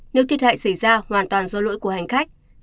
nếu thiệt hại xảy ra hoàn toàn do lỗi của hành khách